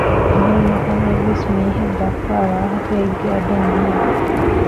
އަހަރެންނަކަށް އެއްވެސް މީހެއް ދައްކާވާހަކައެއްގެ އަޑެއް ނީވެ